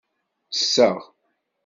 Ttesseɣ.